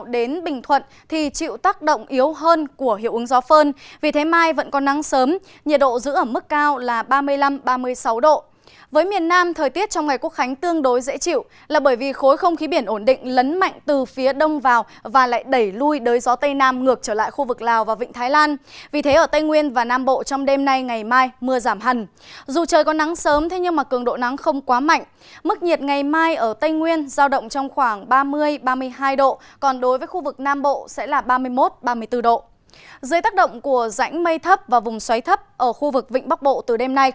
dưới tác động của rãnh mây thấp và vùng xoáy thấp ở khu vực vịnh bắc bộ từ đêm nay